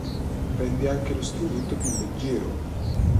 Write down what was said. Rende anche lo strumento più leggero.